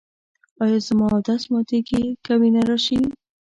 ایا زما اودس ماتیږي که وینه راشي؟